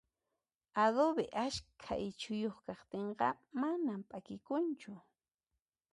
Adobe ashka ichuyuq kaqtinqa manan p'akikunchu